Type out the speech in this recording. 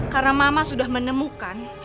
karena mama sudah menemukan